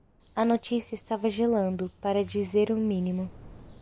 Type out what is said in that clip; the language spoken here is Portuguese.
A notícia estava gelando? para dizer o mínimo.